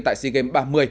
tại sea games ba mươi